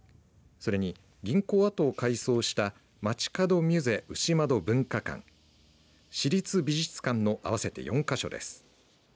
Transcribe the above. それに、銀行跡を改装した街角ミュゼ牛窓文化館市立美術館の合わせて４か所です。